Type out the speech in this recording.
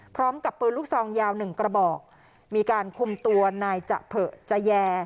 พร้อมกับปืนลูกซองยาวหนึ่งกระบอกมีการคุมตัวนายจะเผอจะแย